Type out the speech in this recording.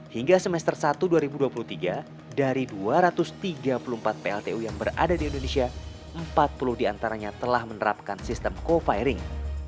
hingga semester satu dua ribu dua puluh tiga dari dua ratus tiga puluh empat pltu yang berada di indonesia empat puluh diantaranya telah menerapkan sistem co firing